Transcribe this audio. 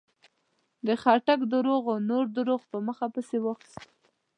د خاټک درواغو نور درواغ په مخه پسې واخيستل.